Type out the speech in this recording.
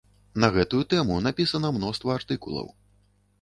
На гэтую тэму напісана мноства артыкулаў.